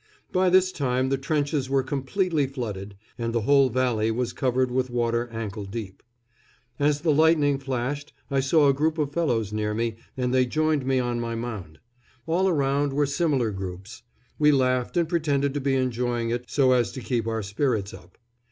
By this time the trenches were completely flooded, and the whole valley was covered with water ankle deep. As the lightning flashed I saw a group of fellows near me, and they joined me on my mound. All around were similar groups. We laughed and pretended to be enjoying it, so as to keep our spirits up.